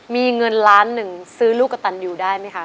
มีเงินล้านหนึ่งซื้อลูกกระตันยูได้ไหมคะ